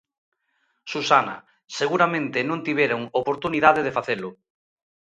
Susana: Seguramente non tiveron oportunidade de facelo.